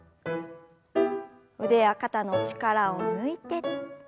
腕や肩の力を抜いて。